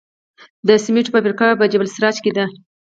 د سمنټو فابریکه په جبل السراج کې ده